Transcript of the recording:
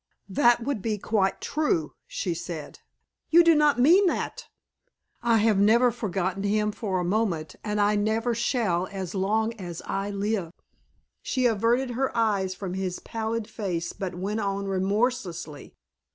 "That would be quite true," she said. "You do not mean that!" "I have never forgotten him for a moment and I never shall as long as I live." She averted her eyes from his pallid face but went on remorselessly.